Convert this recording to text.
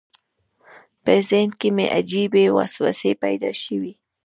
په ذهن کې مې عجیبې وسوسې پیدا شوې.